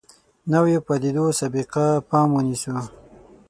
نویو پدیدو سابقه پام ونیسو.